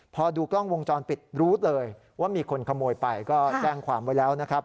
พอดูกล้องวงจรปิดรู้เลยว่ามีคนขโมยไปก็แจ้งความไว้แล้วนะครับ